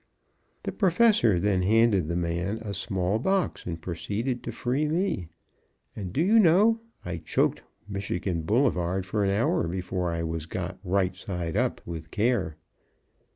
The Professor then handed the man a small box, and proceeded to free me. And, do you know, I choked Michigan Boulevard for an hour before I was got "right side up with care."